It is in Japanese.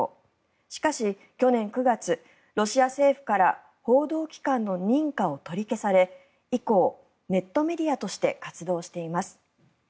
しかし去年９月ロシア政府から報道機関の認可を取り消され以降、ネットメディアとして活動しています。